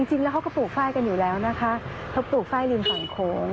จริงแล้วเขาก็ปลูกฝ้ายกันอยู่แล้วนะคะเขาปลูกฝ้ายริมฝั่งโค้ง